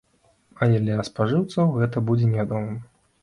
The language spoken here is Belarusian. Але для спажыўцоў гэта будзе невядомым.